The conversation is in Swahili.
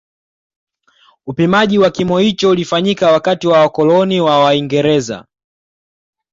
Upimaji wa kimo hicho ulifanyika wakati wa wakoloni wa waingereza